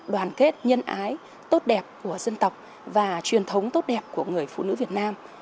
đoàn kết nhân ái tốt đẹp của dân tộc và truyền thống tốt đẹp của người phụ nữ việt nam